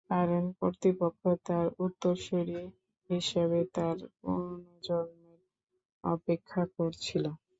কারণ কর্তৃপক্ষ তাঁর উত্তরসূরি হিসাবে তাঁর পুনর্জন্মের অপেক্ষা করছিল।